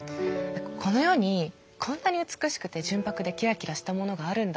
この世にこんなに美しくて純白でキラキラしたものがあるんだっていう。